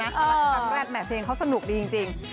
รักครั้งแรดเดี๋ยวแหลมเพลงเขาสนุกดีจริง